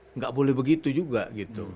nggak boleh begitu juga gitu